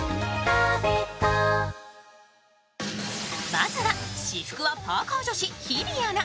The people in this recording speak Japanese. まずは私服はパーカー女子日比アナ。